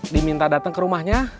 diminta datang ke rumahnya